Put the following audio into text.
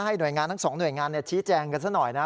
ให้หน่วยงานทั้ง๒หน่วยงานชี้แจงกันสักหน่อยนะ